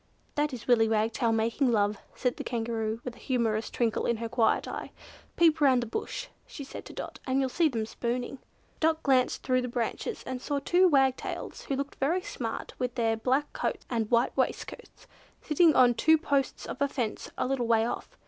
"That is Willy Wagtail making love," said the Kangaroo, with a humorous twinkle in her quiet eyes. "Peep round the bush," she said to Dot, "and you'll see them spooning." Dot glanced through the branches, and saw two wagtails, who looked very smart with their black coats and white waistcoats, sitting on two posts of a fence a little way off.